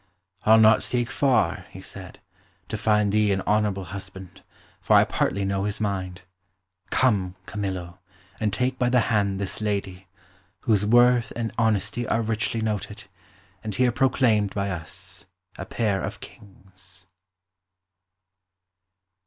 "I'll not seek far," he said, "to find thee an honourable husband, for I partly know his mind. Come, Camillo, and take by the hand this lady, whose worth and honesty are richly noted and here proclaimed by us, a pair of Kings."